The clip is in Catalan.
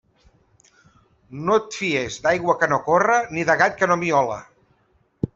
No et fies d'aigua que no corre ni de gat que no miole.